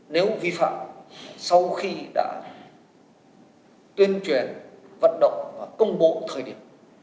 nếu vi phạm sau khi đã tuyên truyền vận động và công bố thời điểm